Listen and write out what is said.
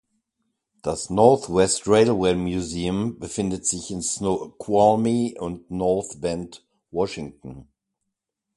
Das Northwest Railway Museum befindet sich in Snoqualmie und North Bend (Washington).